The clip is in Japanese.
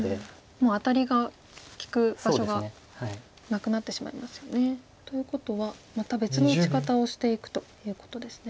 もうアタリが利く場所がなくなってしまいますよね。ということはまた別の打ち方をしていくということですね。